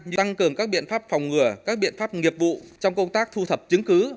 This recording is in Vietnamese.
tăng cường các biện pháp phòng ngừa các biện pháp nghiệp vụ trong công tác thu thập chứng cứ